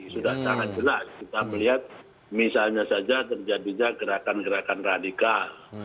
sudah sangat jelas kita melihat misalnya saja terjadinya gerakan gerakan radikal